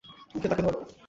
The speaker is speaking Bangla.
ওকে, তাকে ধরো।